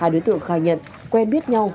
hai đối tượng khai nhận quen biết nhau